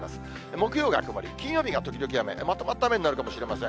木曜が曇り、金曜日が時々雨、まとまった雨になるかもしれません。